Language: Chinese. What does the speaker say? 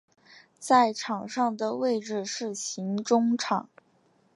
在场上的位置是型中场。